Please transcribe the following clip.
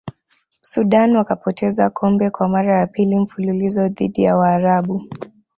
sudan wakapoteza kombe kwa mara ya pili mfululizo dhidi ya waarabu